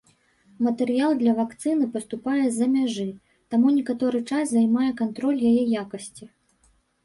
Матэрыял для вакцыны паступае з-за мяжы, таму некаторы час займае кантроль яе якасці.